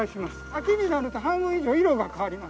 秋になると半分以上色が変わります。